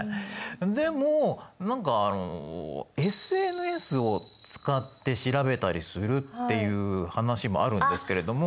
でも何かあのＳＮＳを使って調べたりするっていう話もあるんですけれども。